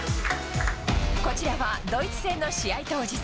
こちらはドイツ戦の試合当日。